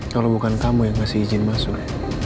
kalau bukan kamu yang ngasih izin masuk